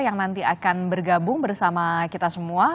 yang nanti akan bergabung bersama kita semua